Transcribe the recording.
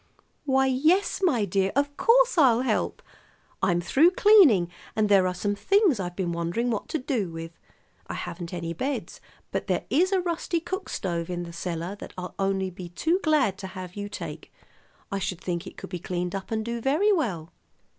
"Why, yes, my dear, of course, I'll help. I'm through cleaning, and there are some things I've been wondering what to do with. I haven't any beds, but there is a rusty cook stove in the cellar that I'll be only too glad to have you take. I should think it could be cleaned up and do very well."